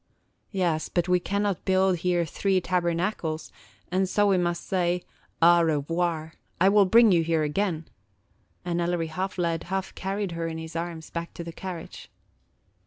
"Yes, but we cannot build here three tabernacles, and so we must say, Au revoir. I will bring you here again ";– and Ellery half led, half carried her in his arms back to the carriage.